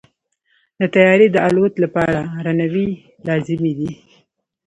د طیارې د الوت لپاره رنوی لازمي دی.